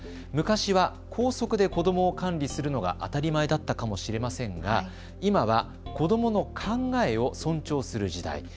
昔は校則で子どもを管理するのが当たり前だったかもしれませんが今は子どもの考えを尊重する時代。